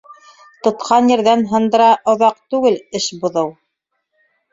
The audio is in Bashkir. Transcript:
Тотҡан ерҙән һындыра Оҙаҡ түгел эш боҙоу.